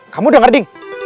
kamu udah ngerti